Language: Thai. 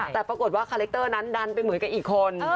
แต่ปรากฏว่าคาแรคเตอร์นั้นดันไปเหมือนกับอีกคน